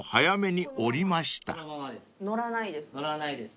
乗らないです。